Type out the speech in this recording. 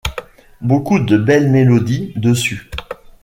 Beaucoup de belles mélodies dessus.